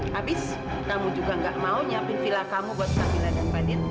habis kamu juga nggak mau nyapin vila kamu buat kamila dan fadil